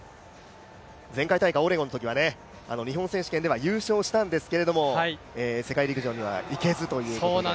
前回大会オレゴンのときは日本選手権では優勝したんですけれども世界陸上には行けずということで。